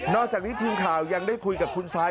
จากนี้ทีมข่าวยังได้คุยกับคุณซาย